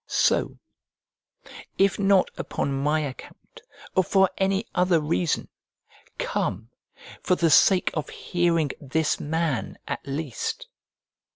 So, if not upon my account, or for any other reason, come, for the sake of hearing this man, at least.